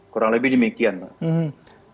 kurang lebih demikian pak